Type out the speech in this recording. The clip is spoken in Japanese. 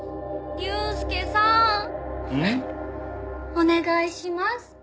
お願いします。